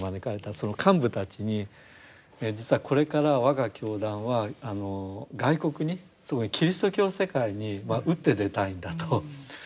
その幹部たちにえ実はこれから我が教団は外国にすごいキリスト教世界に打って出たいんだと。